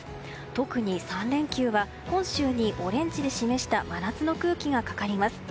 特に３連休は本州にオレンジで示した真夏の空気がかかります。